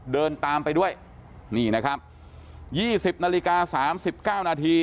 เดินตามไปด้วยนี่นะครับยี่สิบนาฬิกาสามสิบเก้านาที